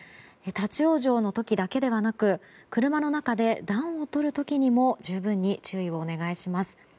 立ち往生の時だけではなく車の中で暖をとるときにも十分に注意をお願いします。